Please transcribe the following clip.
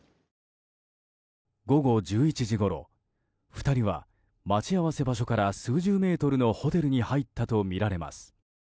午後１１時ごろ、２人は待ち合わせ場所から数十メートルのホテルに入ったとみられます。